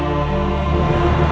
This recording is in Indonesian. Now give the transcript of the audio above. pikirnya bisa menjadi penyadar